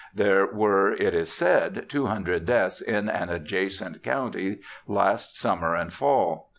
There were, it is said, 200 deaths in an adjacent county last summer and fall.